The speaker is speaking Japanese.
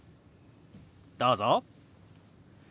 どうぞ。